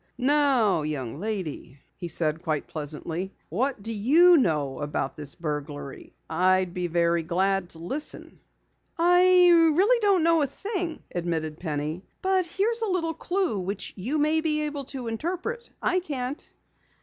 "Now young lady," he said, quite pleasantly. "What do you know about this burglary? I'll be very glad to listen." "I don't really know a thing," admitted Penny. "But here's a little clue which you may be able to interpret. I can't."